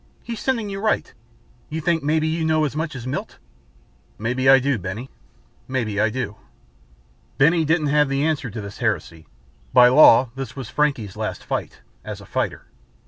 He's sending you right. You think maybe you know as much as Milt?" "Maybe I just do, Benny. Maybe I do." Benny didn't have the answer to this heresy. By law this was Frankie's last fight as a fighter.